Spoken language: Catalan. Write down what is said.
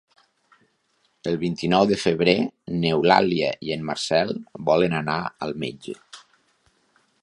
El vint-i-nou de febrer n'Eulàlia i en Marcel volen anar al metge.